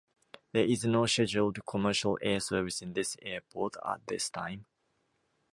There is no scheduled commercial air service in this Airport at this time.